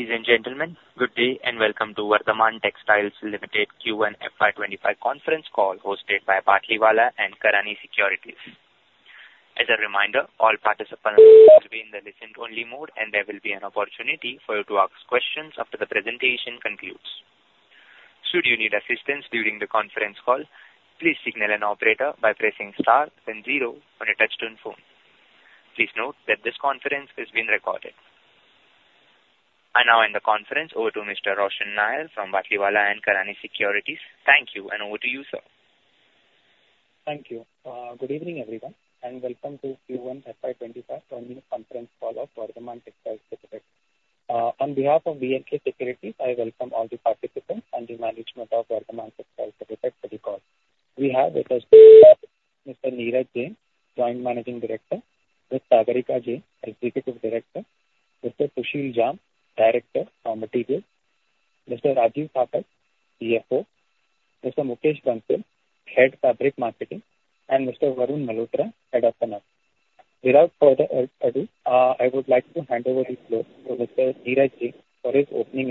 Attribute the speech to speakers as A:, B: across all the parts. A: Ladies and gentlemen, good day and welcome to Vardhman Textiles Limited Q1 FY25 conference call hosted by Batlivala & Karani Securities. As a reminder, all participants will be in the listen-only mode, and there will be an opportunity for you to ask questions after the presentation concludes. Should you need assistance during the conference call, please signal an operator by pressing star then zero on a touch-tone phone. Please note that this conference is being recorded. I now hand the conference over to Mr. Roshan Nair from Batlivala & Karani Securities. Thank you, and over to you, sir.
B: Thank you. Good evening, everyone, and welcome to Q1 FY25 conference call of Vardhman Textiles Limited. On behalf of B&K Securities, I welcome all the participants and the management of Vardhman Textiles Limited to the call. We have with us Mr. Neeraj Jain, Joint Managing Director, with Sagarika Jain, Executive Director, Mr. Sushil Jhamb, Director of Materials, Mr. Rajeev Thapar, CFO, Mr. Mukesh Bansal, Head of Fabric Marketing, and Mr. Varun Malhotra, Head of Finance. Without further ado, I would like to hand over the floor to Mr. Neeraj Jain for his opening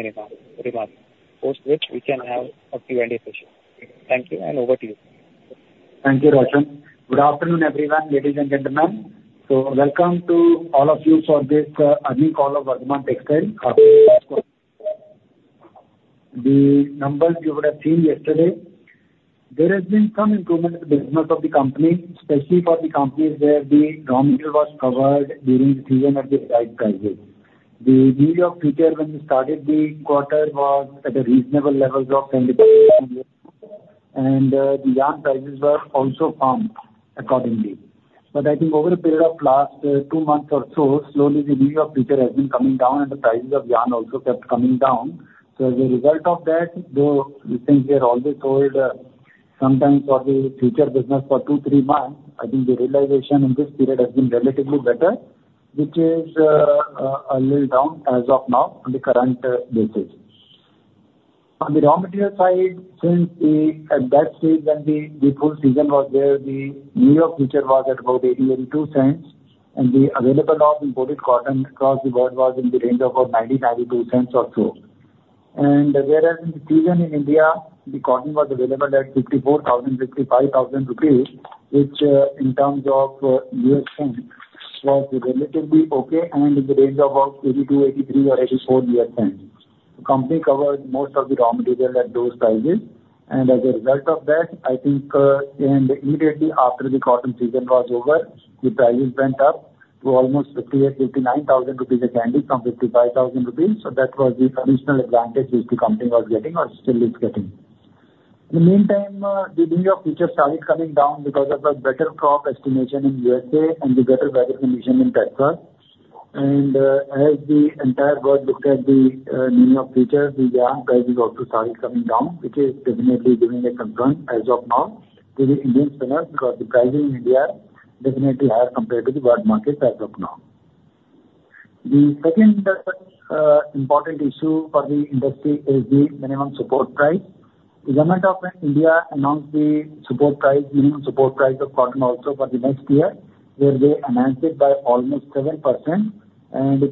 B: remarks, post which we can have a Q&A session. Thank you, and over to you.
C: Thank you, Roshan. Good afternoon, everyone, ladies and gentlemen. Welcome to all of you for this earnings call of Vardhman Textiles. The numbers you would have seen yesterday. There has been some improvement in the business of the company, especially for the companies where the raw material was covered during the season of the high crisis. The New York futures when we started the quarter was at a reasonable level of 75,000, and the yarn prices were also firmed accordingly. But I think over the period of last two months or so, slowly the New York futures has been coming down, and the prices of yarn also kept coming down. So as a result of that, though we think we are always sold sometimes for the future business for two, three months, I think the realization in this period has been relatively better, which is a little down as of now on the current basis. On the raw material side, since at that stage when the full season was there, the New York futures was at about $0.82, and the availability of imported cotton across the world was in the range of about $0.90-$0.92 or so. Whereas in the season in India, the cotton was available at 54,000-55,000 rupees, which in terms of US cents was relatively okay and in the range of about $0.82, $0.83, or $0.84. The company covered most of the raw material at those prices, and as a result of that, I think immediately after the cotton season was over, the prices went up to almost 58,000-59,000 rupees a candy from 55,000 rupees. So that was the additional advantage which the company was getting or still is getting. In the meantime, the New York futures started coming down because of a better crop estimation in the USA and the better weather condition in Texas. As the entire world looked at the New York futures, the yarn prices also started coming down, which is definitely giving a concern as of now to the Indian spinners because the prices in India are definitely higher compared to the world market as of now. The second important issue for the industry is the minimum support price. The government of India announced the support price, minimum support price of cotton also for the next year, where they announced it by almost 7%, and the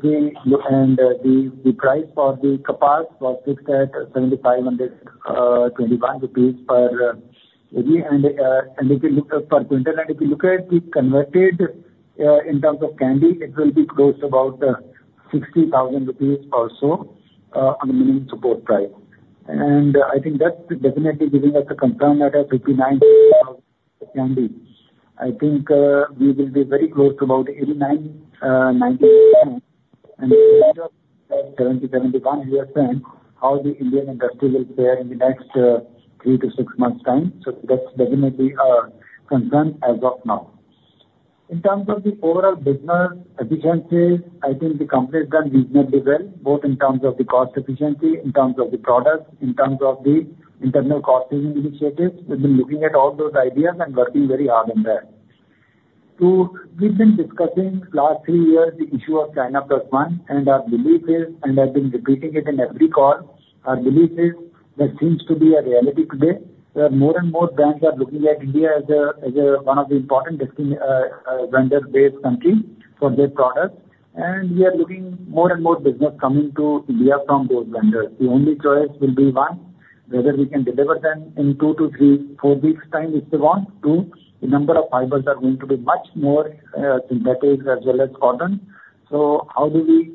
C: price for the kapas was fixed at 7,521 rupees per quintal. If you look at the conversion in terms of candy, it will be close to about 60,000 rupees or so on the minimum support price. I think that's definitely giving us a confirmation at INR 59,000 per candy. I think we will be very close to about 8,990 and $0.70-$0.71 how the Indian industry will fare in the next three to six months' time. So that's definitely a confirmation as of now. In terms of the overall business efficiency, I think the company has done reasonably well, both in terms of the cost efficiency, in terms of the product, in terms of the internal costing initiatives. We've been looking at all those ideas and working very hard on that. We've been discussing last three years the issue of China Plus One, and our belief is, and I've been repeating it in every call, our belief is that seems to be a reality today. More and more brands are looking at India as one of the important vendor-based countries for their products, and we are looking at more and more business coming to India from those vendors. The only choice will be one, whether we can deliver them in two, three, four weeks' time if they want to. The number of fibers are going to be much more synthetic as well as cotton. So how do we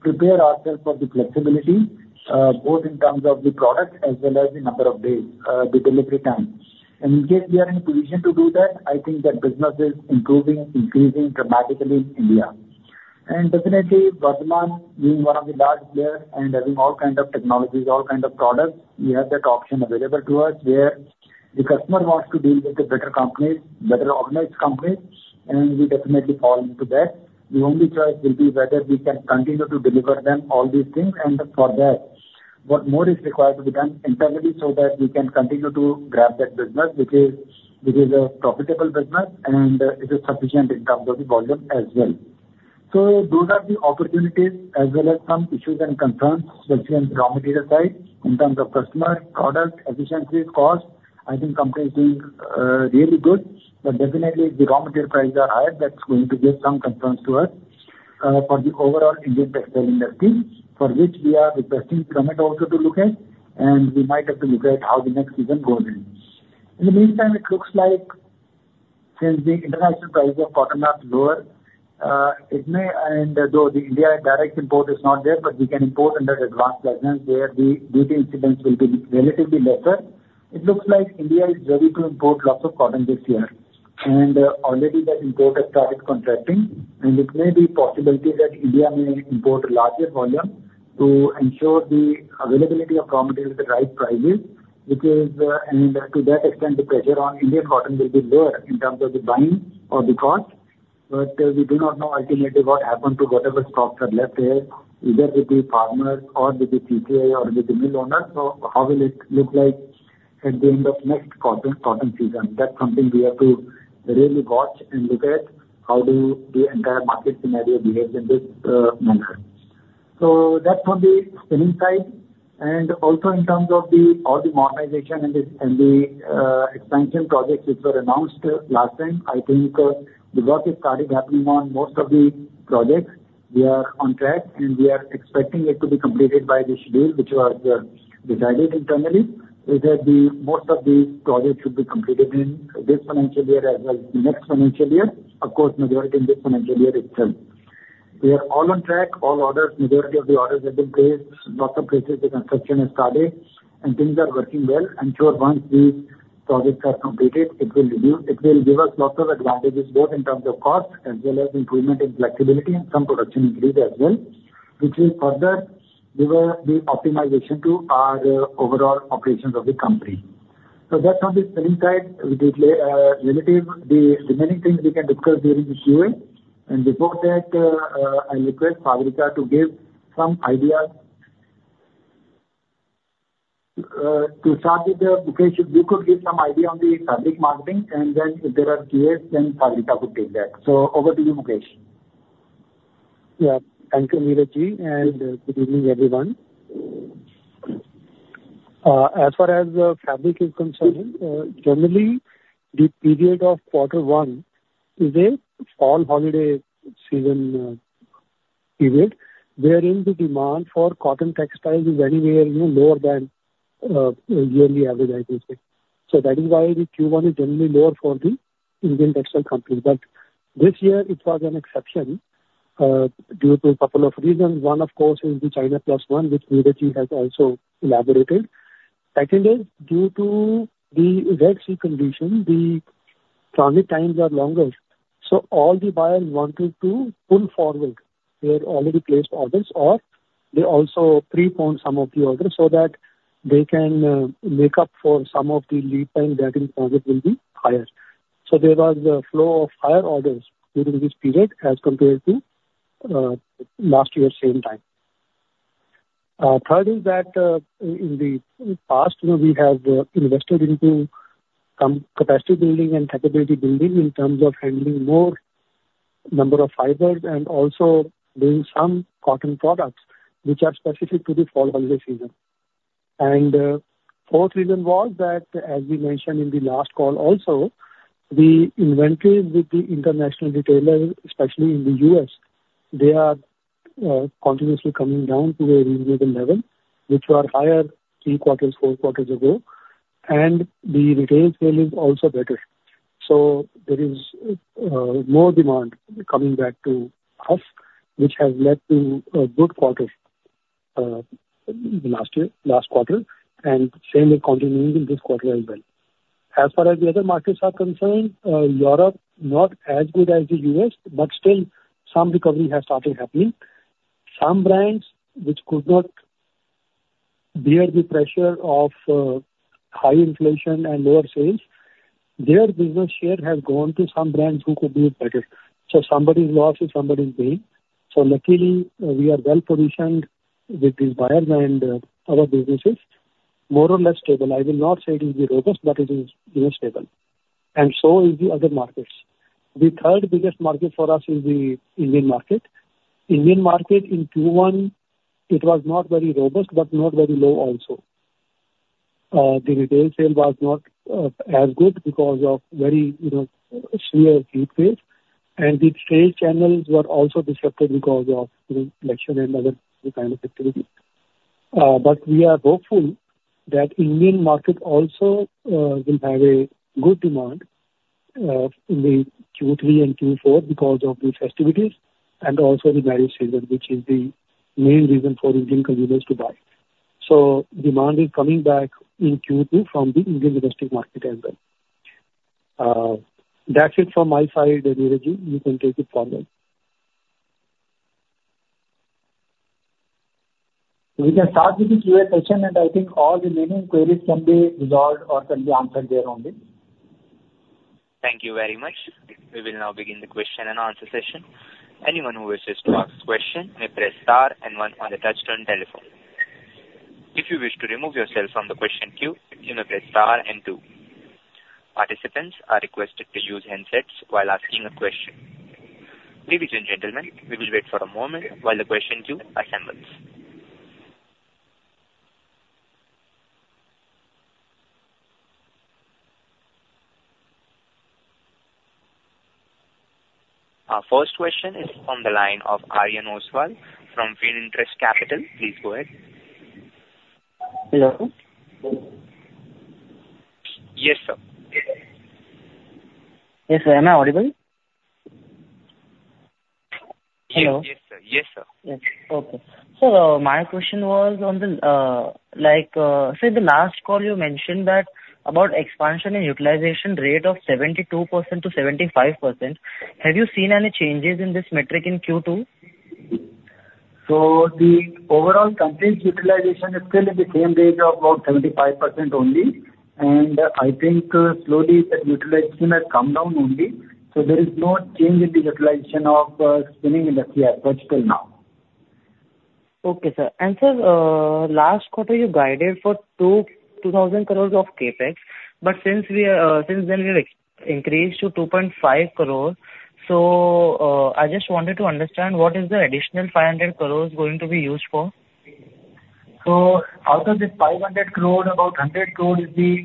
C: prepare ourselves for the flexibility, both in terms of the product as well as the number of days, the delivery time? In case we are in a position to do that, I think that business is improving, increasing dramatically in India. Definitely, Vardhman being one of the large players and having all kinds of technologies, all kinds of products, we have that option available to us where the customer wants to deal with the better companies, better organized companies, and we definitely fall into that. The only choice will be whether we can continue to deliver them all these things, and for that, what more is required to be done internally so that we can continue to grab that business, which is a profitable business and is sufficient in terms of the volume as well. Those are the opportunities as well as some issues and concerns especially on the raw material side in terms of customer product efficiencies, cost. I think the company is doing really good, but definitely if the raw material prices are higher, that's going to give some concerns to us for the overall Indian textile industry, for which we are requesting the government also to look at, and we might have to look at how the next season goes in. In the meantime, it looks like since the international price of cotton is lower, it may, and though the India direct import is not there, but we can import under advance license where the duty incidence will be relatively lesser. It looks like India is ready to import lots of cotton this year, and already that import has started contracting, and it may be a possibility that India may import larger volume to ensure the availability of raw material at the right prices, which is, and to that extent, the pressure on Indian cotton will be lower in terms of the buying or the cost. But we do not know ultimately what happened to whatever stocks are left here, either with the farmers or with the TTA or with the mill owners. So how will it look like at the end of next cotton season? That's something we have to really watch and look at how the entire market scenario behaves in this manner. So that's on the spinning side. Also, in terms of all the modernization and the expansion projects which were announced last time, I think the work is started happening on most of the projects. We are on track, and we are expecting it to be completed by the schedule which was decided internally, which is that most of these projects should be completed in this financial year as well as the next financial year, of course, majority in this financial year itself. We are all on track. All orders, majority of the orders have been placed. Lots of places the construction has started, and things are working well. I'm sure once these projects are completed, it will give us lots of advantages both in terms of cost as well as improvement in flexibility and some production increase as well, which will further give the optimization to our overall operations of the company. So that's on the spinning side. Relative, the remaining things we can discuss during the Q&A, and before that, I'll request Sagarika to give some ideas. To start with, Mukesh, if you could give some idea on the fabric marketing, and then if there are Q&As, then Sagarika could take that. So over to you, Mukesh.
D: Yeah, thank you, Neeraj Jain, and good evening, everyone. As far as fabric is concerned, generally, the period of quarter one is a fall holiday season period wherein the demand for cotton textiles is anywhere lower than yearly average, I would say. So that is why the Q1 is generally lower for the Indian textile companies. But this year, it was an exception due to a couple of reasons. One, of course, is the China Plus One, which Neeraj Jain has also elaborated. Second is, due to the Red Sea condition, the transit times are longer. So all the buyers wanted to pull forward their already placed orders, or they also preponed some of the orders so that they can make up for some of the lead time that in the market will be higher. So there was a flow of higher orders during this period as compared to last year's same time. Third is that in the past, we have invested into capacity building and capability building in terms of handling more number of fibers and also doing some cotton products which are specific to the fall holiday season. And the fourth reason was that, as we mentioned in the last call also, the inventory with the international retailers, especially in the U.S., they are continuously coming down to a reasonable level, which were higher three quarters, four quarters ago, and the retail sale is also better. So there is more demand coming back to us, which has led to a good quarter last year, last quarter, and same will continue in this quarter as well. As far as the other markets are concerned, Europe not as good as the U.S., but still some recovery has started happening. Some brands which could not bear the pressure of high inflation and lower sales, their business share has gone to some brands who could do it better. So somebody's loss is somebody's gain. So luckily, we are well-positioned with these buyers and our business is more or less stable. I will not say it is robust, but it is stable. And so is the other markets. The third biggest market for us is the Indian market. Indian market in Q1, it was not very robust, but not very low also. The retail sale was not as good because of very severe heat wave, and the trade channels were also disrupted because of election and other kinds of activities. But we are hopeful that the Indian market also will have a good demand in Q3 and Q4 because of the festivities and also the marriage season, which is the main reason for Indian consumers to buy. So demand is coming back in Q2 from the Indian domestic market as well. That's it from my side, Neeraj Jain. You can take it forward.
C: We can start with the Q&A session, and I think all remaining queries can be resolved or can be answered there only.
A: Thank you very much. We will now begin the question and answer session. Anyone who wishes to ask a question may press star and one on the touchscreen telephone. If you wish to remove yourself from the question queue, you may press star and two. Participants are requested to use handsets while asking a question. Ladies and gentlemen, we will wait for a moment while the question queue assembles. Our first question is from the line of Aryan Oswal from Finterest Capital. Please go ahead.
E: Hello?
A: Yes, sir.
E: Yes, sir. Am I audible?
A: Yes, sir. Yes, sir.
E: Yes. Okay. So my question was on the, like say the last call you mentioned that about expansion and utilization rate of 72%-75%. Have you seen any changes in this metric in Q2?
C: The overall company's utilization is still in the same range of about 75% only, and I think slowly that utilization has come down only. There is no change in the utilization of the spinning industry as such till now.
E: Okay, sir. Sir, last quarter you guided for 2,000 crore of KPEX, but since then we have increased to 2,500 crore. So I just wanted to understand what is the additional 500 crore going to be used for?
C: Out of the 500 crore, about 100 crore is the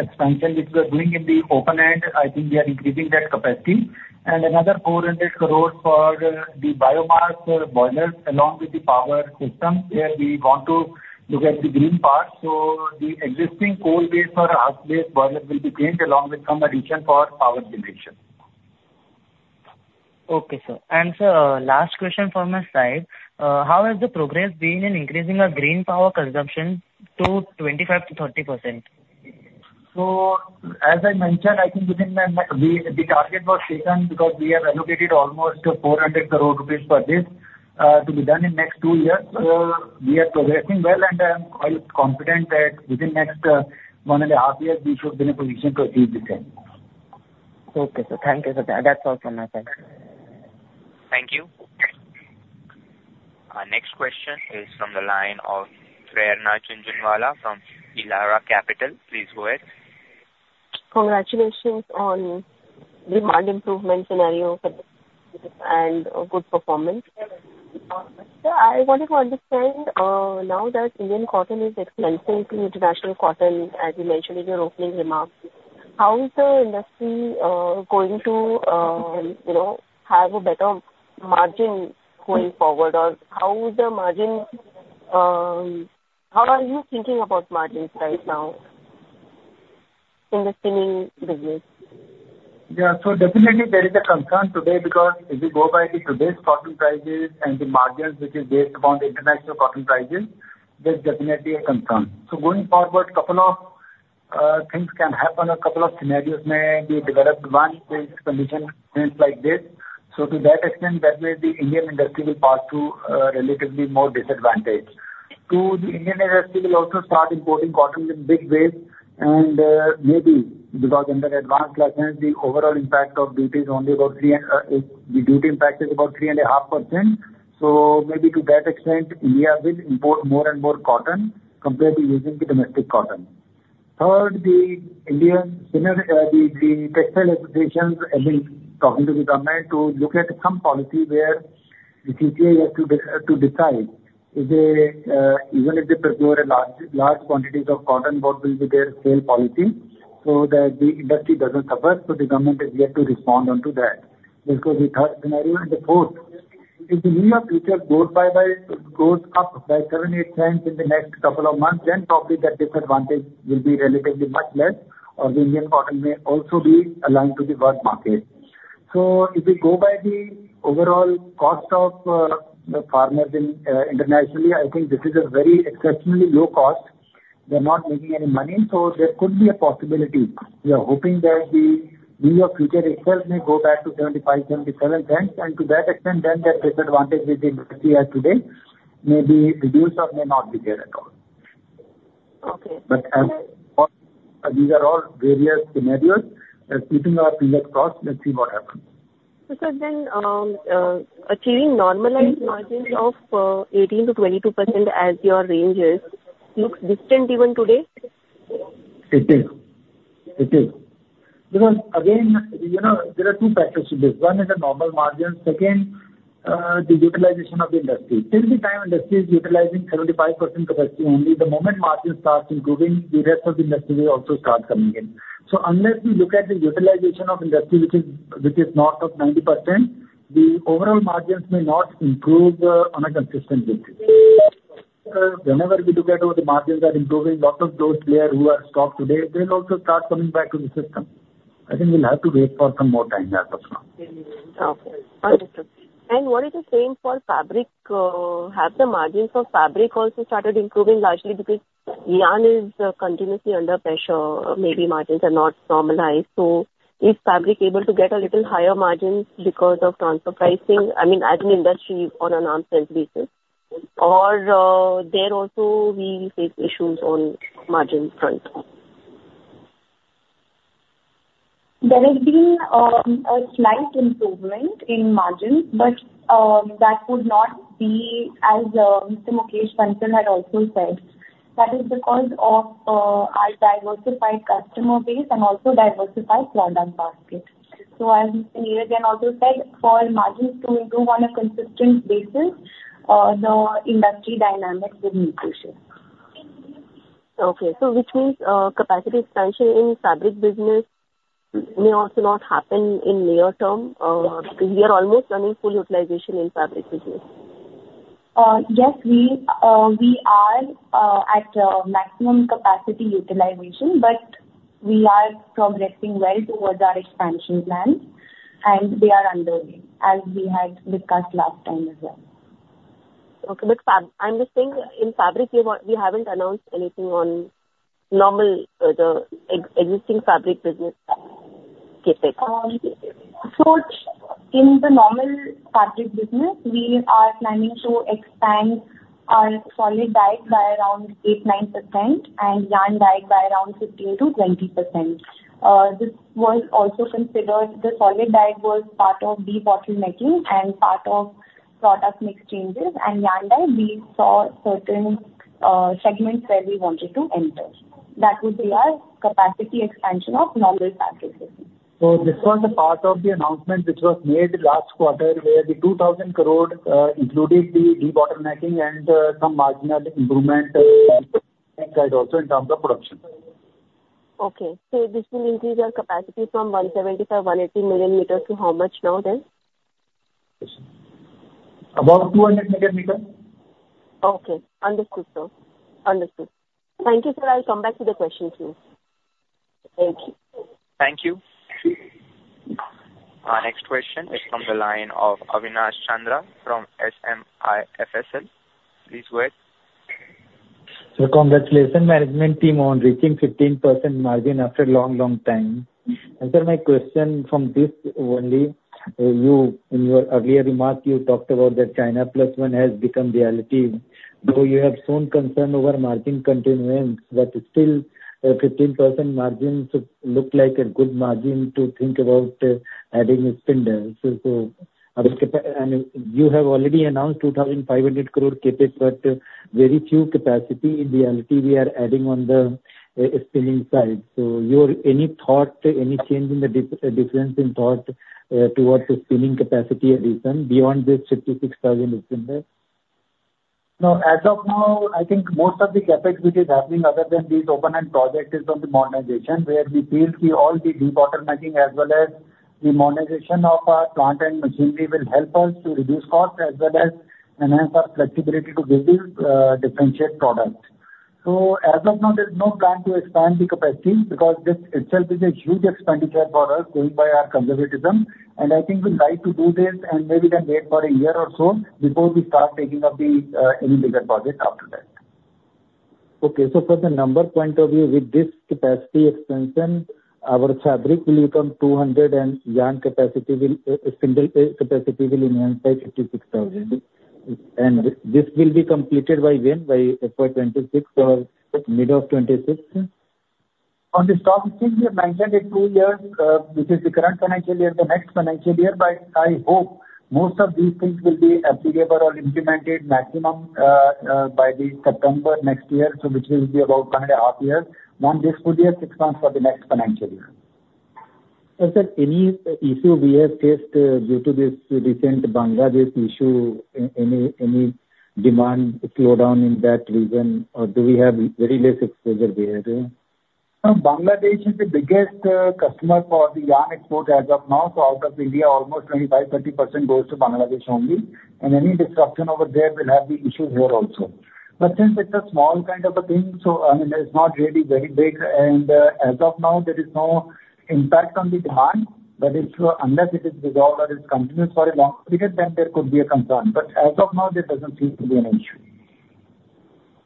C: expansion which we are doing in the open end. I think we are increasing that capacity. Another 400 crore for the biomass boilers along with the power systems where we want to look at the green part. The existing coal-based or ash-based boilers will be changed along with some addition for power generation.
E: Okay, sir. Sir, last question from my side. How has the progress been in increasing our green power consumption to 25%-30%?
C: As I mentioned, I think within the target was taken because we have allocated almost 400 crore rupees per day to be done in the next two years. We are progressing well, and I'm confident that within the next 1.5 years, we should be in a position to achieve the same.
E: Okay, sir. Thank you for that. That's all from my side.
A: Thank you. Our next question is from the line of Prerna Jhunjhunwala from Elara Capital. Please go ahead.
F: Congratulations on the demand improvement scenario and good performance. Sir, I wanted to understand now that Indian cotton is expensive to international cotton, as you mentioned in your opening remarks. How is the industry going to have a better margin going forward, or how are you thinking about margins right now in the spinning business?
C: Yeah, so definitely there is a concern today because if you go back to today's cotton prices and the margins which is based upon the international cotton prices, there's definitely a concern. So going forward, a couple of things can happen. A couple of scenarios may be developed. One is conditions like this. So to that extent, that way the Indian industry will fall to relatively more disadvantage. Two, the Indian industry will also start importing cotton in big waves, and maybe because under advance license, the overall impact of duty is only about 3.5%. So maybe to that extent, India will import more and more cotton compared to using the domestic cotton. Third, the textile associations have been talking to the government to look at some policy where the TTA has to decide if they procure large quantities of cotton, what will be their sale policy so that the industry doesn't suffer. So the government is yet to respond to that. This was the third scenario. And the fourth, if the New York Futures goes up by $0.07-$0.08 in the next couple of months, then probably that disadvantage will be relatively much less, or the Indian cotton may also be aligned to the world market. So if we go by the overall cost of farmers internationally, I think this is a very exceptionally low cost. They're not making any money. So there could be a possibility. We are hoping that the New York futures itself may go back to $0.75-$0.77, and to that extent, then that disadvantage which the industry has today may be reduced or may not be there at all.
F: Okay.
C: But these are all various scenarios. Keeping our fingers crossed, let's see what happens.
F: Sir, then achieving normalized margins of 18%-22% as your range is, looks distant even today? It is. It is. Because again, there are two factors to this. One is the normal margins. Second, the utilization of the industry. Till the time industry is utilizing 75% capacity only, the moment margins start improving, the rest of the industry will also start coming in. So unless we look at the utilization of industry, which is north of 90%, the overall margins may not improve on a consistent basis. Whenever we look at how the margins are improving, lots of those players who are stocked today, they'll also start coming back to the system. I think we'll have to wait for some more time as of now. Okay. Understood. What is it saying for fabric? Have the margins for fabric also started improving largely because yarn is continuously under pressure? Maybe margins are not normalized. So is fabric able to get a little higher margins because of transfer pricing? I mean, as an industry on an arm's length basis? Or there also will be issues on the margin front?
G: There has been a slight improvement in margins, but that would not be as Mr. Mukesh Bansal had also said. That is because of our diversified customer base and also diversified product basket. So as Neeraj Jain also said, for margins to improve on a consistent basis, the industry dynamics will be crucial.
F: Okay. So which means capacity expansion in the fabric business may also not happen in the near term because we are almost running full utilization in the fabric business?
G: Yes, we are at maximum capacity utilization, but we are progressing well towards our expansion plan, and we are underway, as we had discussed last time as well.
F: Okay. looks fab, I'm just saying in fabric, we haven't announced anything on normal existing fabric business KPEX.
G: So in the normal fabric business, we are planning to expand our solid dyed by around 8%-9%, and yarn dyed by around 15%-20%. This was also considered. The solid dyed was part of the bottom making and part of product mix changes, and yarn dyed, we saw certain segments where we wanted to enter. That would be our capacity expansion of normal fabric business.
C: So this was a part of the announcement which was made last quarter where the 2,000 crore included the debottlenecking and some marginal improvement side also in terms of production.
F: Okay. This will increase our capacity from 175-180 million L to how much now then?
C: About 200,000,000 liters.
F: Okay. Understood, sir. Understood. Thank you, sir. I'll come back to the question queue.
C: Thank you.
A: Thank you. Our next question is from the line of Awanish Chandra from SMIFS. Please go ahead.
H: Sir, congratulations management team on reaching 15% margin after a long, long time. Sir, my question from this only, in your earlier remark, you talked about that China Plus One has become reality. Though you have shown concern over margin continuance, but still 15% margin looks like a good margin to think about adding spinners. So you have already announced 2,500 crore CapEx, but very few capacity in reality we are adding on the spinning side. So your any thought, any change in the difference in thought towards the spinning capacity addition beyond this 56,000 spinners?
C: Now, as of now, I think most of the CapEx which is happening other than these open end projects is on the modernization where we feel all the de-bottlenecking as well as the modernization of our plant and machinery will help us to reduce cost as well as enhance our flexibility to give you differentiated product. So as of now, there's no plan to expand the capacity because this itself is a huge expenditure for us going by our conservatism, and I think we'd like to do this and maybe then wait for a year or so before we start taking up any bigger project after that.
H: Okay. So from the number point of view, with this capacity expansion, our fabric will become 200 and yarn capacity will enhance by 56,000. This will be completed by when? By FY 2026 or mid of 2026?
C: On the stock, we have mentioned it two years, which is the current financial year, the next financial year, but I hope most of these things will be applicable or implemented maximum by the September next year, so which will be about 1.5 years. On this full year, six months for the next financial year.
H: Sir, any issue we have faced due to this recent Bangladesh issue? Any demand slowdown in that region? Or do we have very less exposure there?
C: Bangladesh is the biggest customer for the yarn export as of now, so out of India, almost 25%-30% goes to Bangladesh only, and any disruption over there will have the issues here also. But since it's a small kind of a thing, so I mean, it's not really very big, and as of now, there is no impact on the demand, but unless it is resolved or it continues for a long period, then there could be a concern. But as of now, there doesn't seem to be an issue.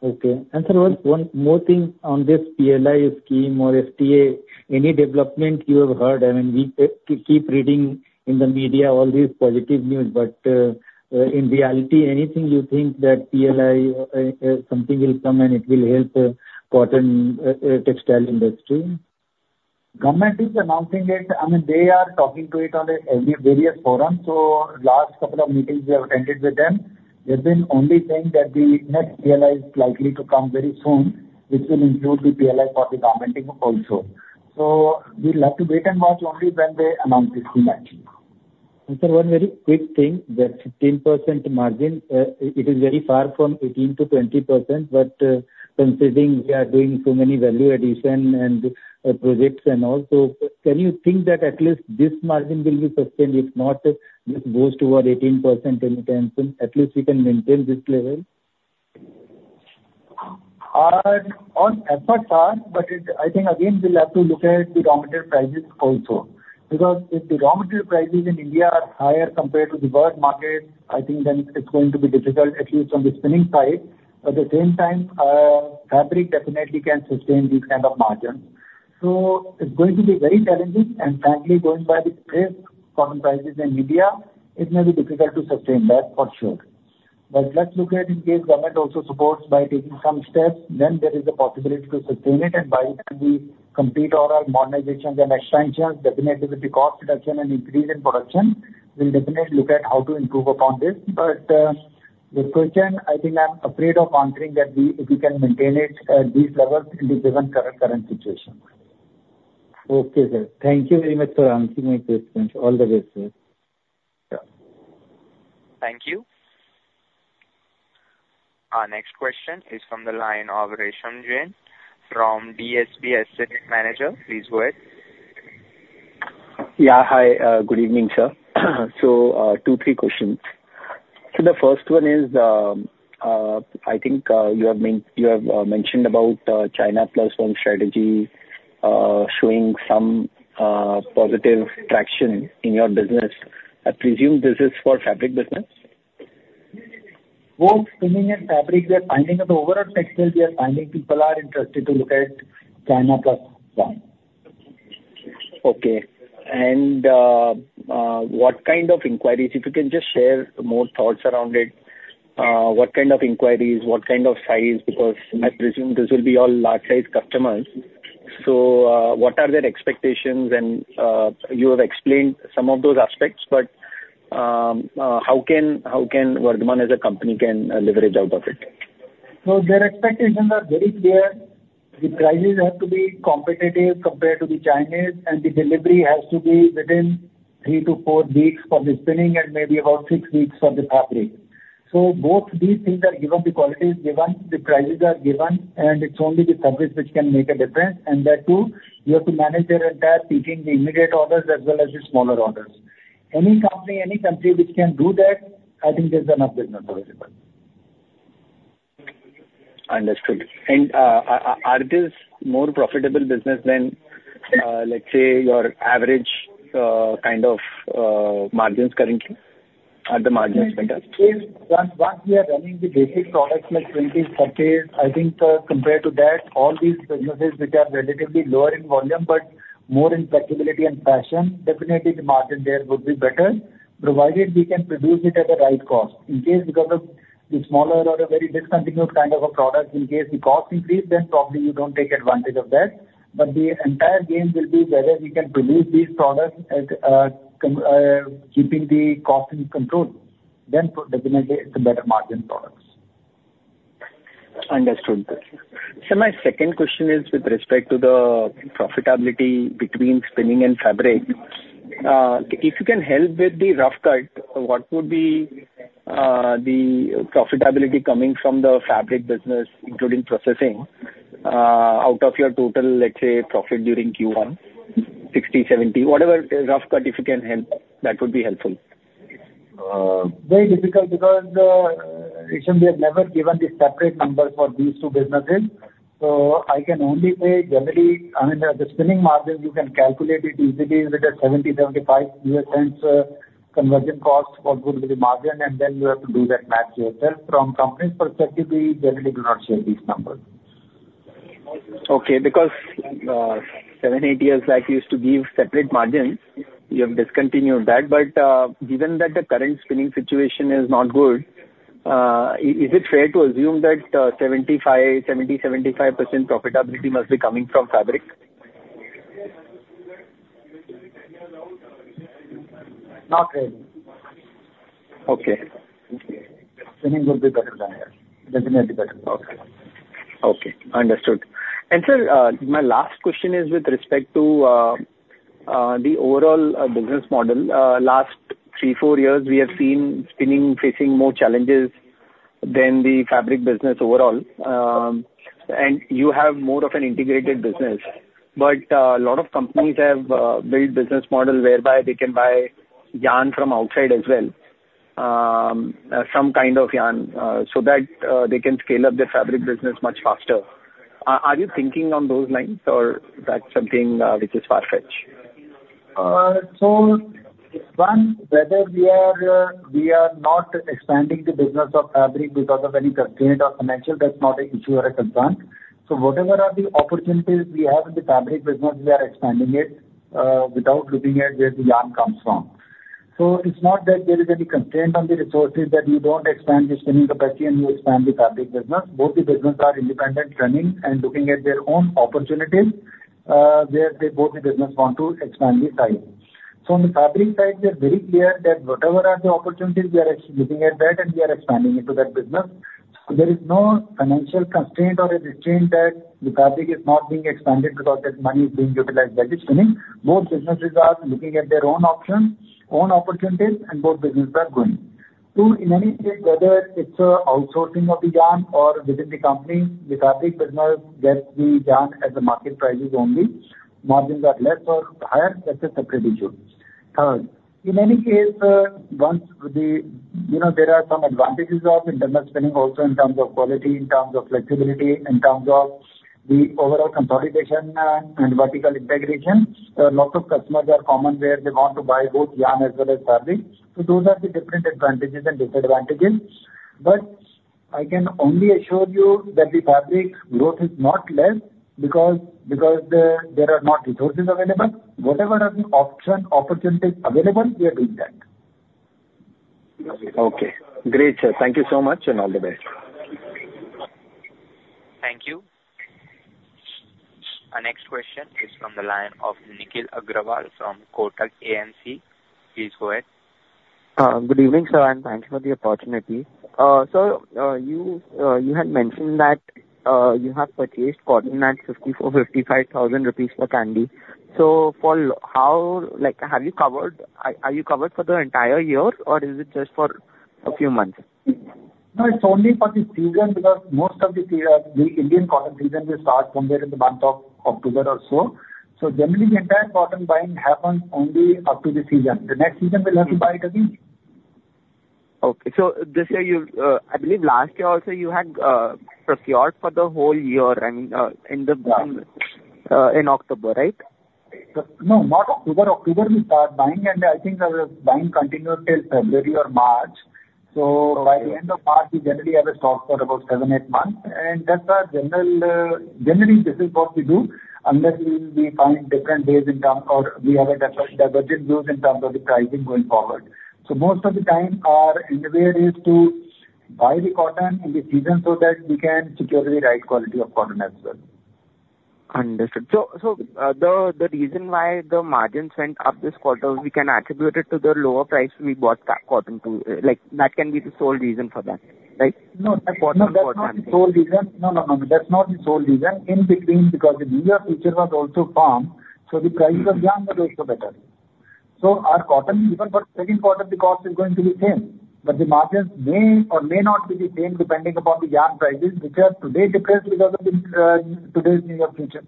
H: Okay. And sir, one more thing on this PLI scheme or FTA, any development you have heard? I mean, we keep reading in the media all these positive news, but in reality, anything you think that PLI something will come and it will help cotton textile industry?
C: Government is announcing it. I mean, they are talking to it on various forums. So last couple of meetings we have attended with them, they've been only saying that the next PLI is likely to come very soon, which will include the PLI for the government also. So we'd like to wait and watch only when they announce this thing actually.
H: Sir, one very quick thing, that 15% margin, it is very far from 18%-20%, but considering we are doing so many value addition and projects and all, so can you think that at least this margin will be sustained? If not, this goes toward 18% anytime soon. At least we can maintain this level.
C: Our efforts are, but I think again we'll have to look at the raw material prices also. Because if the raw material prices in India are higher compared to the world market, I think then it's going to be difficult at least on the spinning side. At the same time, fabric definitely can sustain these kind of margins. So it's going to be very challenging, and frankly, going by the current prices in India, it may be difficult to sustain that for sure. But let's look at, in case government also supports by taking some steps, then there is a possibility to sustain it, and by the complete overall modernizations and expansions, definitely with the cost reduction and increase in production, we'll definitely look at how to improve upon this. But the question, I think I'm afraid of answering that if we can maintain it at these levels in the given current situation.
H: Okay, sir. Thank you very much for answering my question. All the best, sir.
A: Thank you. Our next question is from the line of Resham Jain from DSP Asset Managers. Please go ahead.
I: Yeah, hi. Good evening, sir. So two, three questions. So the first one is, I think you have mentioned about China Plus One strategy showing some positive traction in your business. I presume this is for fabric business?
C: Both spinning and fabric, we are finding that overall textile, we are finding people are interested to look at China Plus One.
I: Okay. And what kind of inquiries? If you can just share more thoughts around it. What kind of inquiries? What kind of size? Because I presume this will be all large-sized customers. So what are their expectations? And you have explained some of those aspects, but how can Vardhman as a company leverage out of it?
C: So their expectations are very clear. The prices have to be competitive compared to the Chinese, and the delivery has to be within three to four weeks for the spinning and maybe about six weeks for the fabric. So both these things are given. The quality is given. The prices are given, and it's only the service which can make a difference. And there too, you have to manage their entire picking, the immediate orders as well as the smaller orders. Any company, any country which can do that, I think there's enough business available.
I: Understood. And are these more profitable business than let's say your average kind of margins currently? Are the margins better?
C: In case, once we are running the basic products like 20s, 30s, I think compared to that, all these businesses which are relatively lower in volume, but more in flexibility and fashion, definitely the margin there would be better provided we can produce it at the right cost. In case because of the smaller or a very discontinued kind of a product, in case the cost increases, then probably you don't take advantage of that. But the entire game will be whether we can produce these products keeping the cost in control, then definitely it's a better margin product.
I: Understood. Sir, my second question is with respect to the profitability between spinning and fabric. If you can help with the rough cut, what would be the profitability coming from the fabric business, including processing, out of your total, let's say, profit during Q1, 60, 70, whatever rough cut, if you can help, that would be helpful?
C: Very difficult because we have never given the separate numbers for these two businesses. So I can only say generally, I mean, the spinning margin, you can calculate it easily with a $0.70-$0.75 conversion cost for both of the margin, and then you have to do that math yourself. From company's perspective, we generally do not share these numbers.
I: Okay. Because seven to eight years back, you used to give separate margins. You have discontinued that. But given that the current spinning situation is not good, is it fair to assume that 70%-75% profitability must be coming from fabric?
C: Not really.
I: Okay.
C: Spinning would be better than that. Definitely better.
I: Okay. Understood. Sir, my last question is with respect to the overall business model. Last three to four years, we have seen spinning facing more challenges than the fabric business overall. You have more of an integrated business, but a lot of companies have built business models whereby they can buy yarn from outside as well, some kind of yarn, so that they can scale up their fabric business much faster. Are you thinking on those lines, or that's something which is far-fetched?
C: So one, whether we are not expanding the business of fabric because of any constraint or financial, that's not an issue or a concern. So whatever are the opportunities we have in the fabric business, we are expanding it without looking at where the yarn comes from. So it's not that there is any constraint on the resources that you don't expand the spinning capacity and you expand the fabric business. Both the business are independent running and looking at their own opportunities where both the business want to expand the side. So on the fabric side, we are very clear that whatever are the opportunities, we are actually looking at that and we are expanding into that business. So there is no financial constraint or a restraint that the fabric is not being expanded because that money is being utilized by the spinning. Both businesses are looking at their own options, own opportunities, and both businesses are going. So in any case, whether it's outsourcing of the yarn or within the company, the fabric business gets the yarn at the market prices only. Margins are less or higher. That's a separate issue. Third, in any case, once there are some advantages of internal spinning also in terms of quality, in terms of flexibility, in terms of the overall consolidation and vertical integration, lots of customers are common where they want to buy both yarn as well as fabric. So those are the different advantages and disadvantages. But I can only assure you that the fabric growth is not less because there are not resources available. Whatever are the opportunities available, we are doing that.
I: Okay. Great, sir. Thank you so much and all the best.
A: Thank you. Our next question is from the line of Nikhil Agrawal from Kotak AMC. Please go ahead.
J: Good evening, sir, and thank you for the opportunity. Sir, you had mentioned that you have purchased cotton at 54,000-55,000 rupees per candy. So how have you covered? Are you covered for the entire year, or is it just for a few months?
C: No, it's only for the season because most of the Indian cotton season will start somewhere in the month of October or so. So generally, the entire cotton buying happens only up to the season. The next season, we'll have to buy it again.
J: Okay. So this year, I believe last year also, you had procured for the whole year, I mean, in October, right?
C: No, not October. October we start buying, and I think our buying continues till February or March. So by the end of March, we generally have a stock for about seven to eight months. And that's our general. Generally, this is what we do unless we find different ways in terms or we have a divergent views in terms of the pricing going forward. So most of the time, our endeavor is to buy the cotton in the season so that we can secure the right quality of cotton as well.
J: Understood. So the reason why the margins went up this quarter, we can attribute it to the lower price we bought cotton to. That can be the sole reason for that, right?
C: No, that's not the sole reason. No, no, no, no. That's not the sole reason. In between, because the New York Futures was also firm, so the price of yarn was also better. So our cotton, even for second quarter, the cost is going to be the same. But the margins may or may not be the same depending upon the yarn prices, which are today different because of today's New York Futures.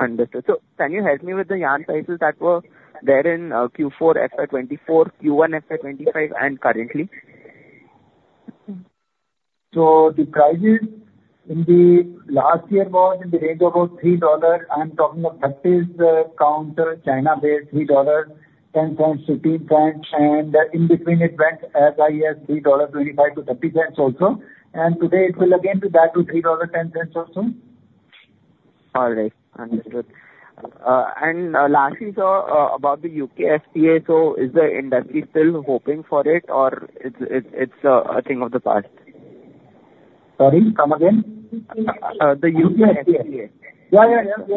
J: Understood. So can you help me with the yarn prices that were there in Q4, FY24, Q1, FY25, and currently?
C: The prices in the last year was in the range of about $3. I'm talking of 30s counter, China-based, $3.10, $15. In between, it went as high as $3.25-$0.30 also. Today, it will again be back to $3.10 also.
J: All right. Understood. And lastly, sir, about the UK FTA, so is the industry still hoping for it, or it's a thing of the past?
C: Sorry, come again?
J: The UK FTA.
C: Yeah, yeah, yeah.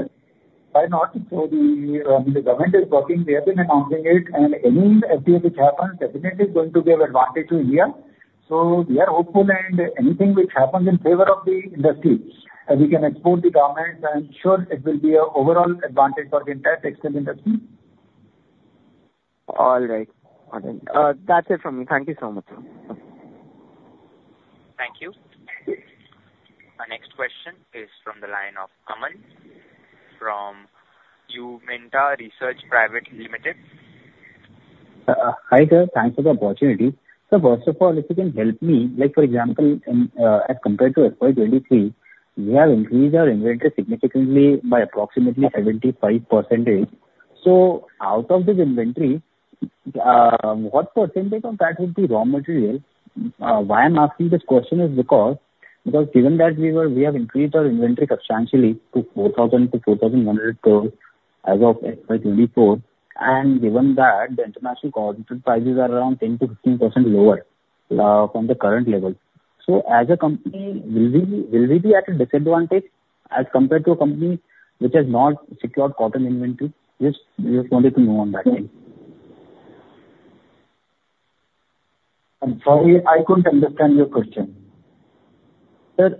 C: Why not? So the government is working. They have been announcing it. And any STA which happens definitely is going to give advantage to India. So we are hopeful, and anything which happens in favor of the industry, we can export the garments and ensure it will be an overall advantage for the entire textile industry.
J: All right. That's it from me. Thank you so much, sir.
A: Thank you. Our next question is from the line of Aman from Augmenta Research Private Limited.
K: Hi sir, thanks for the opportunity. So first of all, if you can help me, for example, as compared to FY23, we have increased our inventory significantly by approximately 75%. So out of this inventory, what percentage of that would be raw material? Why I'm asking this question is because given that we have increased our inventory substantially to 4,000-4,100 tons as of FY24, and given that the international coordinated prices are around 10%-15% lower from the current level. So as a company, will we be at a disadvantage as compared to a company which has not secured cotton inventory? Just wanted to know on that thing.
C: I'm sorry, I couldn't understand your question.
K: Sir,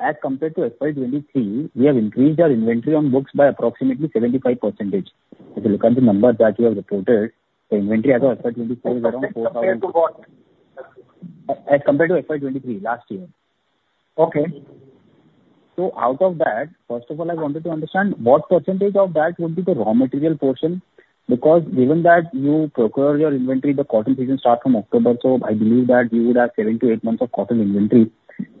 K: as compared to FY23, we have increased our inventory on books by approximately 75%. If you look at the numbers that you have reported, the inventory as of FY24 is around 4,000.
C: As compared to what?
K: As compared to FY23, last year.
C: Okay.
K: Out of that, first of all, I wanted to understand what percentage of that would be the raw material portion? Because given that you procure your inventory, the cotton season starts from October, so I believe that you would have seven to eight months of cotton inventory.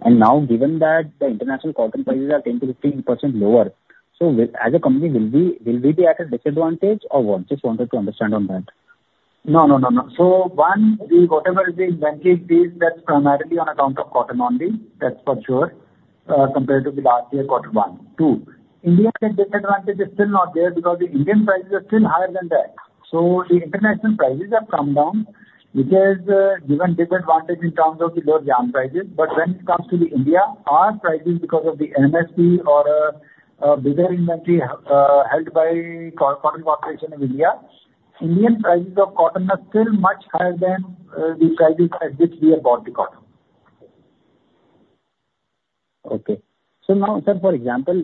K: Now, given that the international cotton prices are 10%-15% lower, so as a company, will we be at a disadvantage or what? Just wanted to understand on that.
C: No, no, no, no. So one, whatever the inventory is, that's primarily on account of cotton only. That's for sure compared to the last year, quarter one. Two, India's disadvantage is still not there because the Indian prices are still higher than that. So the international prices have come down, which has given disadvantage in terms of the lower yarn prices. But when it comes to India, our prices because of the MSP and bigger inventory held by the Cotton Corporation of India, Indian prices of cotton are still much higher than the prices at which we have bought the cotton.
K: Okay. So now, sir, for example,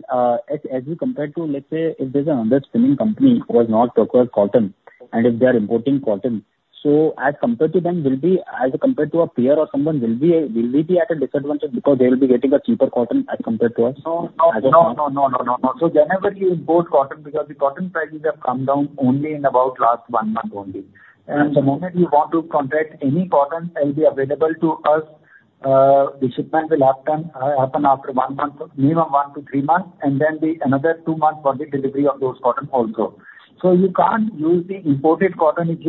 K: as we compare to, let's say, if there's another spinning company who has not procured cotton, and if they are importing cotton, so as compared to them, will we, as compared to a peer or someone, will we be at a disadvantage because they will be getting a cheaper cotton as compared to us?
C: No, no, no, no, no, no, no. So whenever you import cotton, because the cotton prices have come down only in about last one month only. And the moment you want to contract any cotton that will be available to us, the shipment will happen after one month, minimum one to three months, and then another two months for the delivery of those cotton also. So you can't use the imported cotton if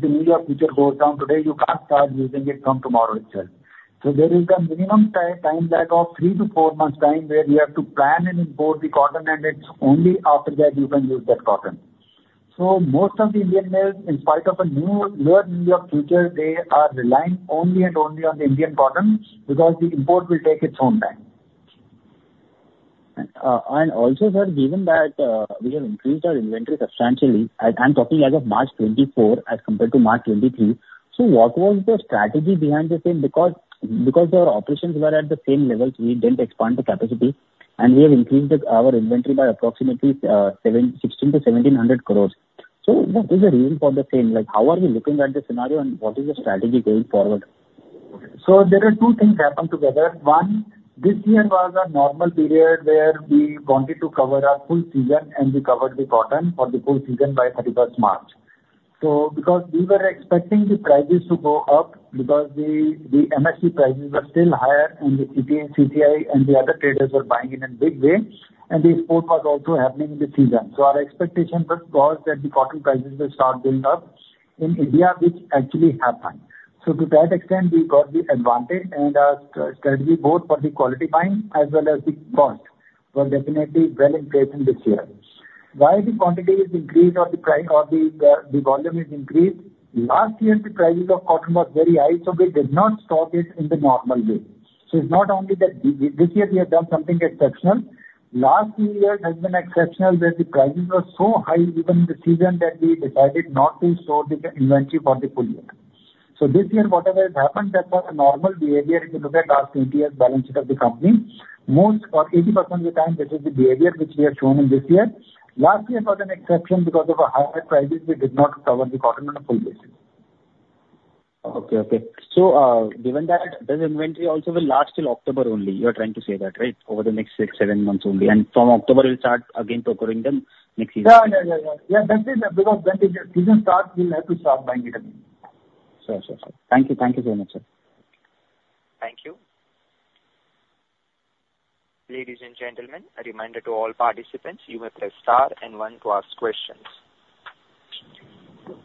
C: the New York Futures goes down today, you can't start using it from tomorrow itself. So there is a minimum time lag of three to four months time where you have to plan and import the cotton, and it's only after that you can use that cotton. Most of the Indian mills, in spite of the lower New York futures, they are relying only and only on the Indian cotton because the import will take its own time.
K: Also, sir, given that we have increased our inventory substantially, I'm talking as of March 2024 as compared to March 2023, so what was the strategy behind the same? Because our operations were at the same level, we didn't expand the capacity, and we have increased our inventory by approximately 1,600 crore-1,700 crore. So what is the reason for the same? How are we looking at the scenario, and what is the strategy going forward?
C: So there are two things that happened together. One, this year was a normal period where we wanted to cover our full season, and we covered the cotton for the full season by 31st March. So because we were expecting the prices to go up, because the MSP prices were still higher, and the CCI and the other traders were buying in a big way, and the export was also happening in the season. So our expectation was that the cotton prices will start going up in India, which actually happened. So to that extent, we got the advantage, and our strategy, both for the quality buying as well as the cost, was definitely well in place in this year. Why the quantity is increased or the volume is increased? Last year, the prices of cotton were very high, so we did not stock it in the normal way. So it's not only that this year we have done something exceptional. Last few years have been exceptional where the prices were so high even in the season that we decided not to store the inventory for the full year. So this year, whatever has happened, that's a normal behavior if you look at last 20 years' balance sheet of the company. Most, or 80% of the time, this is the behavior which we have shown in this year. Last year was an exception because of our higher prices. We did not cover the cotton on a full basis.
K: Okay, okay. So given that, does inventory also will last till October only? You are trying to say that, right, over the next six, seven months only, and from October we'll start again procuring them next season?
C: Yeah, yeah, yeah, yeah. Yeah, that's it. Because when the season starts, we'll have to start buying it again.
K: Sure, sure, sure. Thank you. Thank you so much, sir.
A: Thank you. Ladies and gentlemen, a reminder to all participants, you may press star and one to ask questions.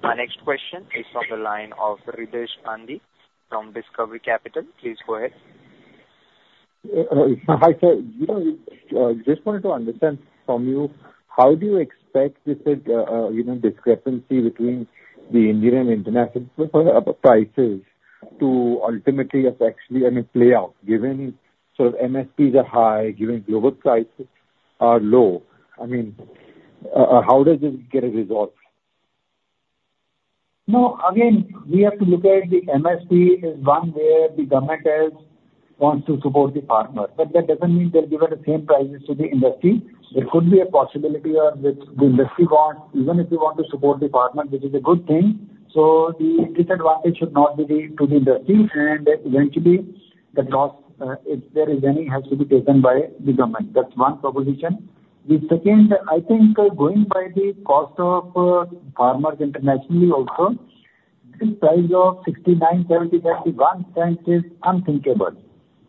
A: Our next question is from the line of Riddhesh Gandhi from Discovery Capital. Please go ahead.
L: Hi, sir, just wanted to understand from you, how do you expect this discrepancy between the Indian and international prices to ultimately actually play out given sort of MSPs are high, given global prices are low? I mean, how does this get resolved?
C: No, again, we have to look at the MSP is one where the government wants to support the farmer. But that doesn't mean they'll give us the same prices to the industry. There could be a possibility of the industry wants, even if we want to support the farmer, which is a good thing. So the disadvantage should not be to the industry, and eventually, the cost, if there is any, has to be taken by the government. That's one proposition. The second, I think going by the cost of farmers internationally also, the price of $0.69, $0.70, $0.71 is unthinkable.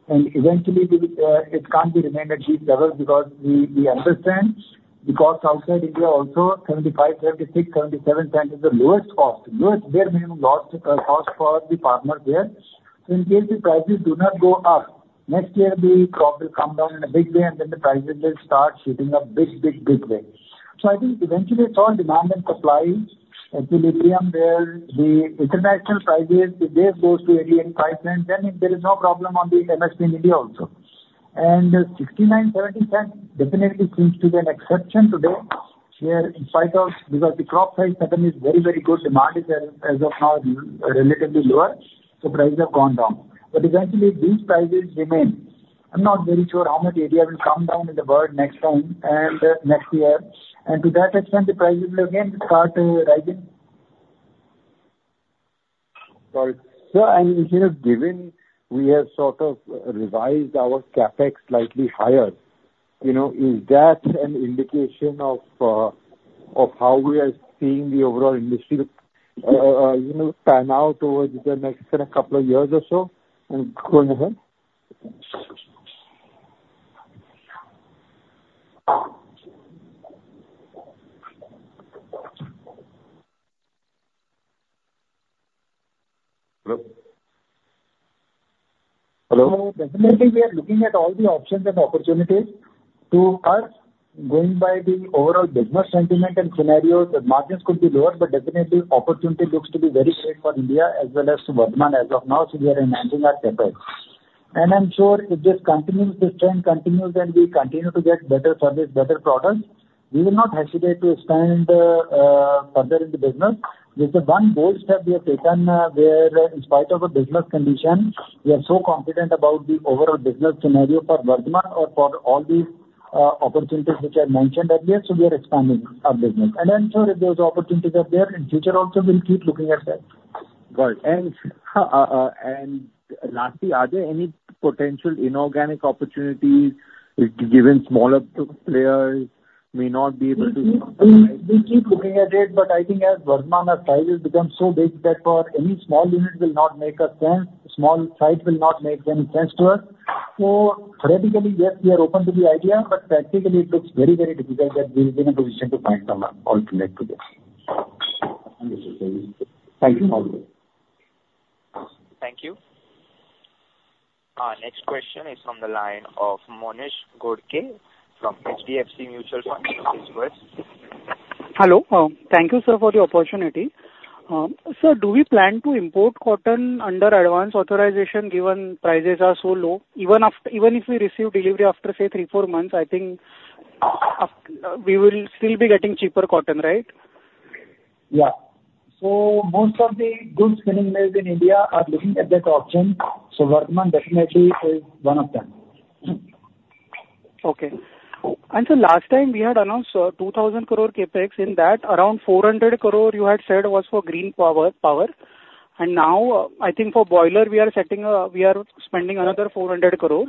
C: And eventually, it can't remain at these levels because we understand the cost outside India also, $0.75, $0.76, $0.77 is the lowest cost, lowest bare minimum cost for the farmers there. So in case the prices do not go up, next year the crop will come down in a big way, and then the prices will start shooting up big, big, big way. So I think eventually, it's all demand and supply equilibrium where the international prices, if they go to $0.885, then there is no problem on the MSP in India also. And $0.69-$0.70 definitely seems to be an exception today where in spite of, because the crop price pattern is very, very good, demand is as of now relatively lower, the prices have gone down. But eventually, these prices remain. I'm not very sure how much area will come down in the world next time and next year. And to that extent, the prices will again start rising.
L: Sorry. Sir, and instead of given, we have sort of revised our CapEx slightly higher. Is that an indication of how we are seeing the overall industry pan out over the next couple of years or so? And go ahead. Hello?
C: Hello. So definitely, we are looking at all the options and opportunities to us going by the overall business sentiment and scenarios. The margins could be lower, but definitely, opportunity looks to be very great for India as well as Vardhman as of now, so we are enhancing our CapEx. And I'm sure if this continues, this trend continues, and we continue to get better service, better products, we will not hesitate to expand further in the business. This is one bold step we have taken where, in spite of the business condition, we are so confident about the overall business scenario for Vardhman or for all these opportunities which I mentioned earlier, so we are expanding our business. And I'm sure if those opportunities are there, in future also, we'll keep looking at that.
L: Right. And lastly, are there any potential inorganic opportunities given smaller players may not be able to?
C: We keep looking at it, but I think as Vardhman's prices become so big that for any small unit will not make sense, small site will not make any sense to us. So theoretically, yes, we are open to the idea, but practically, it looks very, very difficult that we'll be in a position to find some alternative to this.
L: Thank you for all of this.
A: Thank you. Our next question is from the line of Monish Ghodke from HDFC Mutual Fund. Please go ahead.
M: Hello. Thank you, sir, for the opportunity. Sir, do we plan to import cotton under Advance Authorization given prices are so low? Even if we receive delivery after, say, three, four months, I think we will still be getting cheaper cotton, right?
C: Yeah. So most of the good spinning mills in India are looking at that option. So Vardhman definitely is one of them.
M: Okay. So last time, we had announced 2,000 crore CapEx in that around 400 crore you had said was for green power. And now, I think for boiler, we are spending another 400 crore.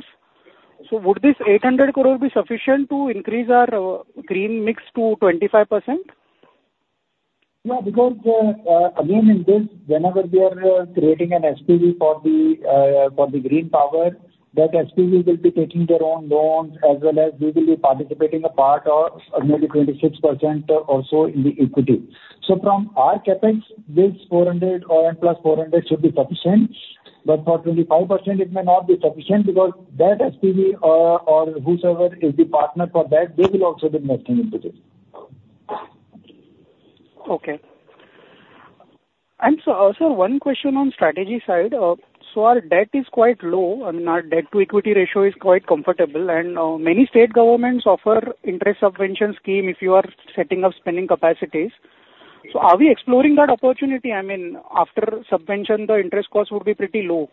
M: So would this 800 crore be sufficient to increase our green mix to 25%?
C: Yeah, because again, in this, whenever we are creating an SPV for the green power, that SPV will be taking their own loans as well as we will be participating a part or maybe 26% or so in the equity. So from our CapEx, this INR 400+400 should be sufficient. But for 25%, it may not be sufficient because that SPV or whosoever is the partner for that, they will also be investing into this.
M: Okay. Sir, one question on strategy side. Our debt is quite low. I mean, our debt-to-equity ratio is quite comfortable, and many state governments offer interest subvention scheme if you are setting up spinning capacities. Are we exploring that opportunity? I mean, after subvention, the interest cost would be pretty low.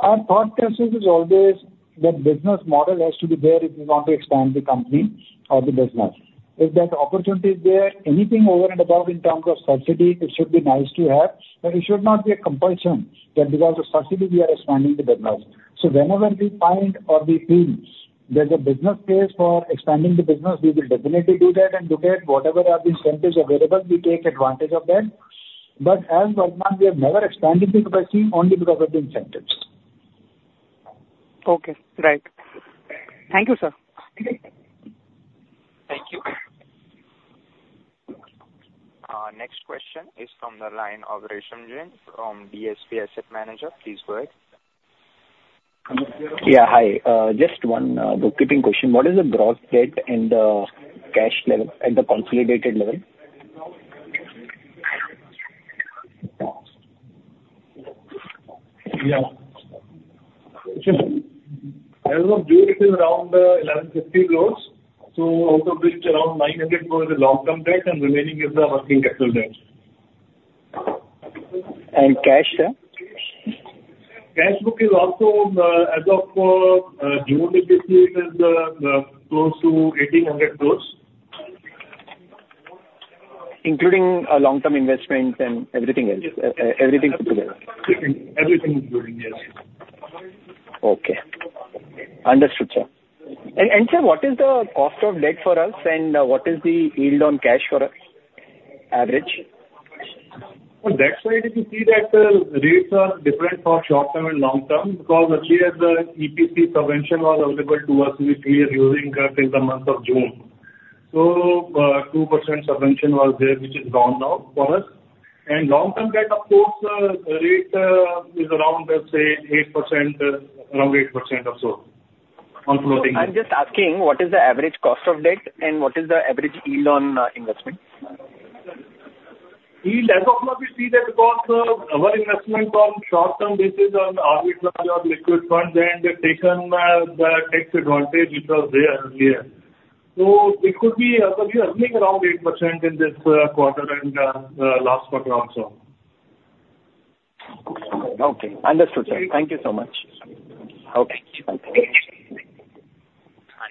C: Our thought process is always that business model has to be there if we want to expand the company or the business. If that opportunity is there, anything over and above in terms of subsidy, it should be nice to have, but it should not be a compulsion that because of subsidy, we are expanding the business. So whenever we find or we feel there's a business case for expanding the business, we will definitely do that and look at whatever are the incentives available, we take advantage of that. But as Vardhman, we have never expanded the capacity only because of the incentives.
M: Okay. Right. Thank you, sir.
A: Thank you. Our next question is from the line of Resham Jain from DSP Asset Managers. Please go ahead.
I: Yeah, hi. Just one bookkeeping question. What is the gross debt and the cash level at the consolidated level?
C: Yeah. As of June, it is around 1,150 crore. So out of which around 900 crore is long-term debt, and remaining is the working capital debt.
I: Cash, sir?
C: Cash book is also as of June, it is close to 1,800 crore.
I: Including long-term investments and everything else? Everything put together?
C: Everything including, yes.
I: Okay. Understood, sir. Sir, what is the cost of debt for us, and what is the yield on cash for us, average?
C: On that side, if you see that the rates are different for short-term and long-term because actually, as the EPC subvention was available to us, we are using till the month of June. So 2% subvention was there, which is gone now for us. And long-term debt, of course, the rate is around, let's say, 8%, around 8% or so on floating debt.
I: I'm just asking, what is the average cost of debt, and what is the average yield on investment?
C: Yield, as of now, we see that because our investment on short-term basis on our liquid funds and taken the tax advantage which was there earlier. So it could be earning around 8% in this quarter and last quarter also.
I: Okay. Understood, sir. Thank you so much. Okay. Thank you.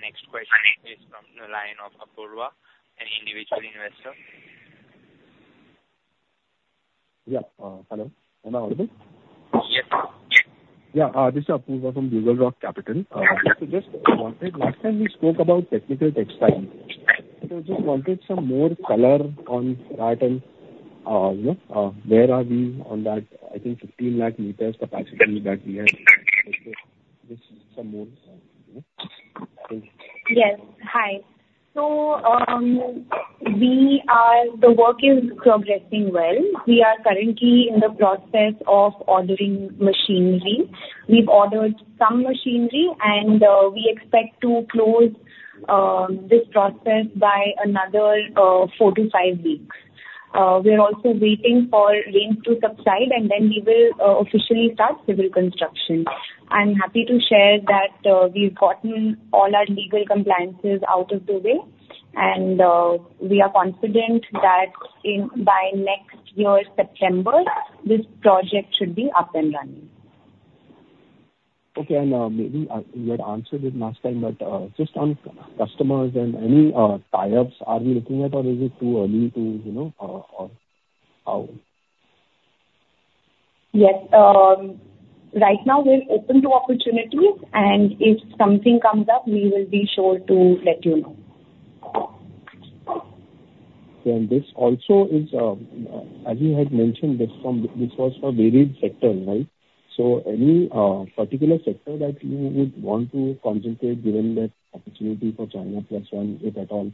A: Our next question is from the line of Apurva, an individual investor.
N: Yeah. Hello. Am I audible?
A: Yes. Yes. Yeah. This is Apurva from BugleRock Capital. Just wanted, last time we spoke about technical textiles. So just wanted some more color on that, and where are we on that, I think, 15 lakh meters capacity that we have? Just some more.
G: Yes. Hi. So the work is progressing well. We are currently in the process of ordering machinery. We've ordered some machinery, and we expect to close this process by another four to five weeks. We're also waiting for rain to subside, and then we will officially start civil construction. I'm happy to share that we've gotten all our legal compliances out of the way, and we are confident that by next year, September, this project should be up and running.
N: Okay. And maybe you had answered it last time, but just on customers and any tie-ups, are we looking at, or is it too early to?
G: Yes. Right now, we're open to opportunities, and if something comes up, we will be sure to let you know.
N: This also is, as you had mentioned, this was for varied sectors, right? So any particular sector that you would want to concentrate given that opportunity for China Plus One, if at all?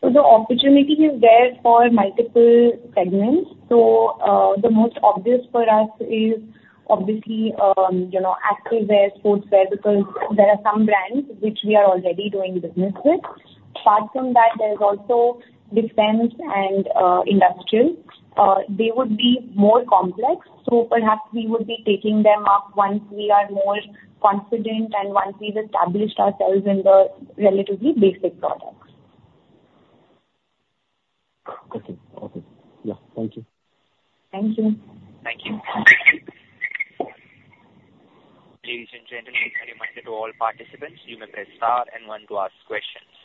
G: So the opportunity is there for multiple segments. So the most obvious for us is obviously activewear, sportswear, because there are some brands which we are already doing business with. Apart from that, there's also defense and industrial. They would be more complex, so perhaps we would be taking them up once we are more confident and once we've established ourselves in the relatively basic products.
N: Okay. Okay. Yeah. Thank you.
G: Thank you.
A: Thank you. Ladies and gentlemen, a reminder to all participants, you may press star and one to ask questions.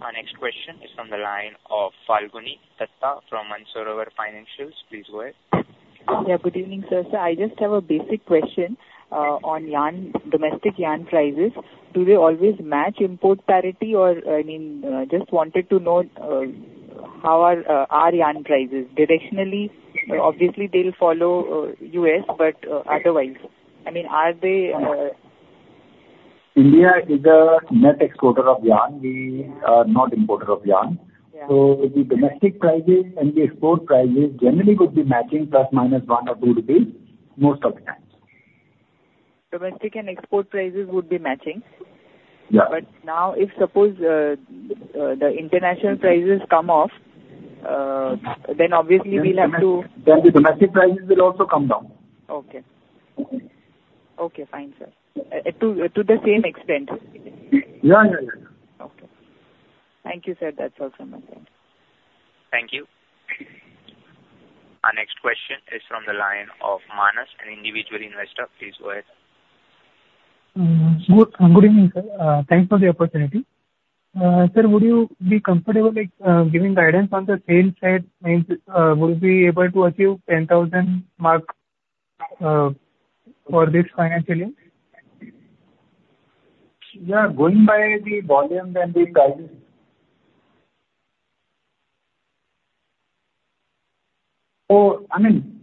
A: Our next question is from the line of Falguni Dutta from Mansarovar Financial Services. Please go ahead.
O: Yeah. Good evening, sir. Sir, I just have a basic question on domestic yarn prices. Do they always match import parity or, I mean, just wanted to know how are yarn prices? Directionally, obviously, they'll follow U.S., but otherwise, I mean, are they?
C: India is a net exporter of yarn. We are not importer of yarn. So the domestic prices and the export prices generally would be matching INR 1± most of the time.
O: Domestic and export prices would be matching.
C: Yeah.
O: But now, if suppose the international prices come off, then obviously we'll have to.
C: Then the domestic prices will also come down.
O: Okay. Okay. Fine. Sir. To the same extent.
C: Yeah. Yeah. Yeah.
O: Okay. Thank you, sir. That's all from my side.
A: Thank you. Our next question is from the line of Manas, an individual investor. Please go ahead.
P: Good evening, sir. Thanks for the opportunity. Sir, would you be comfortable giving guidance on the sales side? Would we be able to achieve 10,000 mark for this financial year?
C: Yeah. Going by the volume and the prices. So I mean,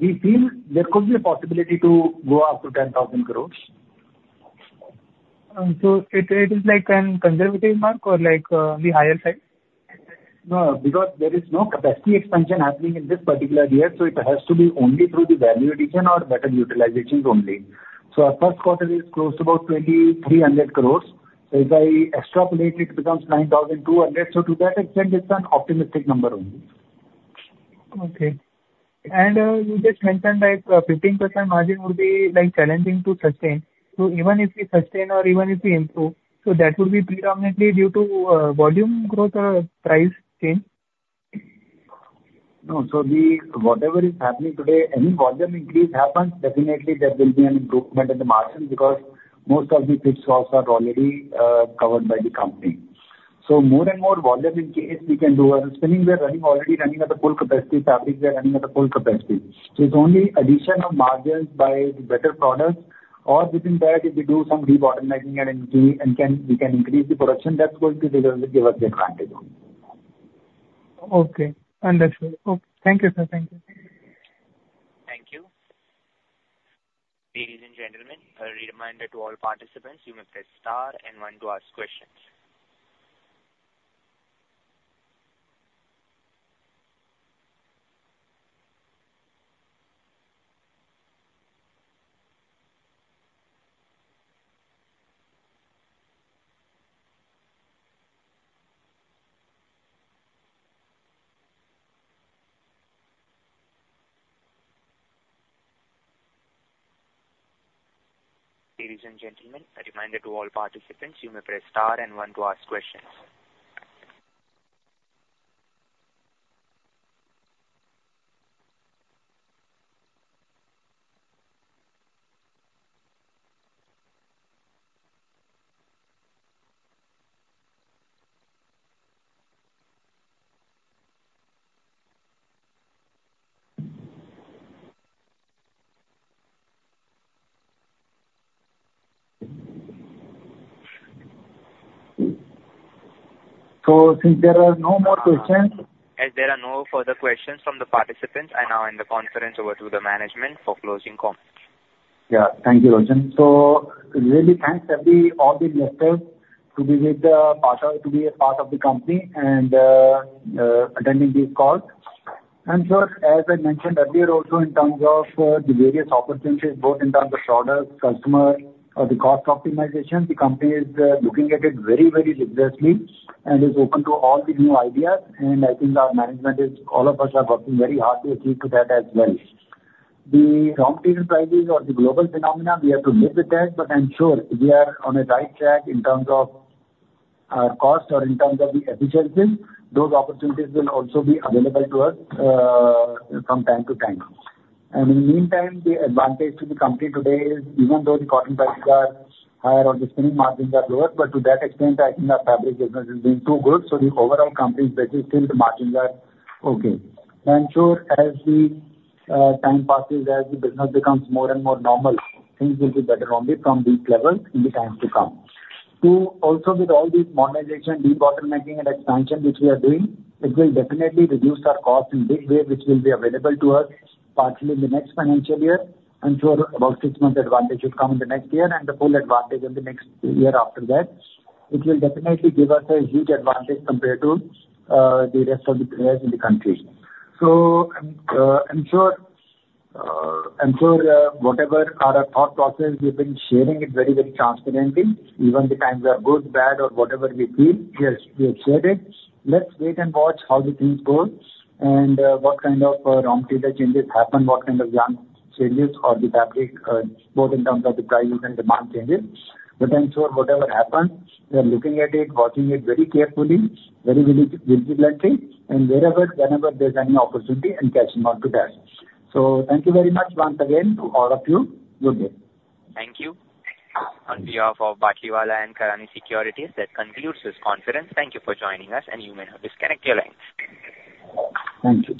C: we feel there could be a possibility to go up to 10,000 crore.
P: So it is like a conservative mark or the higher side?
C: No, because there is no capacity expansion happening in this particular year, so it has to be only through the value addition or better utilization only. So our first quarter is close to about 2,300 crore. So if I extrapolate, it becomes 9,200 crore. So to that extent, it's an optimistic number only.
P: Okay. And you just mentioned like 15% margin would be challenging to sustain. So even if we sustain or even if we improve, so that would be predominantly due to volume growth or price change?
C: No. So whatever is happening today, any volume increase happens, definitely there will be an improvement in the margin because most of the fixed costs are already covered by the company. So more and more volume increase, we can do. Spinning, we are already running at a full capacity. Fabrics, we are running at a full capacity. So it's only addition of margins by better products. Or within that, if we do some re-optimizing and we can increase the production, that's going to give us the advantage.
P: Okay. Understood. Thank you, sir. Thank you.
A: Thank you. Ladies and gentlemen, a reminder to all participants, you may press star and one to ask questions. Ladies and gentlemen, a reminder to all participants, you may press star and one to ask questions.
C: Since there are no more questions.
B: As there are no further questions from the participants, I now end the conference over to the management for closing comments.
C: Yeah. Thank you, Roshan. So really, thanks to all the investors for being a part of the company and attending this call. Sir, as I mentioned earlier, also in terms of the various opportunities, both in terms of products, customer, or the cost optimization, the company is looking at it very, very rigorously and is open to all the new ideas. I think our management, all of us, are working very hard to achieve that as well. The long-term prices or the global phenomena, we have to live with that, but I'm sure we are on a right track in terms of our cost or in terms of the efficiencies. Those opportunities will also be available to us from time to time. In the meantime, the advantage to the company today is even though the cotton prices are higher or the spinning margins are lower, but to that extent, I think our fabric business is doing too good. The overall company's basic margins are okay. Sure, as the time passes, as the business becomes more and more normal, things will be better only from this level in the times to come. Also with all this modernization, de-bottlenecking, and expansion which we are doing, it will definitely reduce our cost in a big way, which will be available to us partially in the next financial year. I'm sure about six months' advantage will come in the next year and the full advantage in the next year after that. It will definitely give us a huge advantage compared to the rest of the players in the country. So I'm sure whatever our thought process, we've been sharing it very, very transparently. Even the times are good, bad, or whatever we feel, we have shared it. Let's wait and watch how the things go and what kind of long-term changes happen, what kind of changes or the fabric, both in terms of the prices and demand changes. But I'm sure whatever happens, we are looking at it, watching it very carefully, very vigilantly, and wherever, whenever there's any opportunity, and catching on to that. So thank you very much once again to all of you. Good day.
B: Thank you. On behalf of Batlivala & Karani Securities, that concludes this conference. Thank you for joining us, and you may now disconnect your lines.
C: Thank you.